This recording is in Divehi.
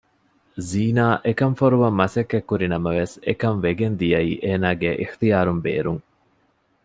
ޒީނާ އެކަން ފޮރުވަން މަސައްކަތް ކުރި ނަމަވެސް އެކަންވެގެން ދިޔައީ އޭނަގެ އިޙްތިޔާރުން ބޭރުން